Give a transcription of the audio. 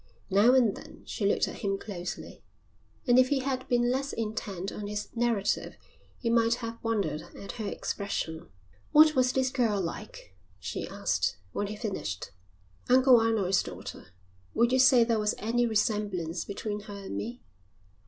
Now and then she looked at him closely, and if he had been less intent on his narrative he might have wondered at her expression. "What was this girl like?" she asked when he finished. "Uncle Arnold's daughter. Would you say there was any resemblance between her and me?"